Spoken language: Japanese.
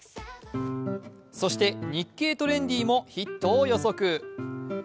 そして「日経トレンディ」もヒットを予測。